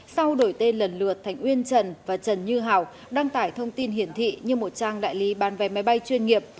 sau đổi tên lần lượt thành uyên trần và trần như hảo đăng tải thông tin hiển thị như một trang đại lý bán vé máy bay chuyên nghiệp